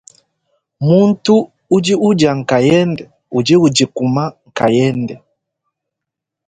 Muntu udi udia nkayende udi udikuma nkayende.